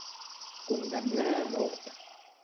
Condemnar a mort.